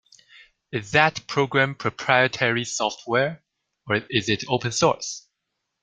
Is that program proprietary software, or is it open source?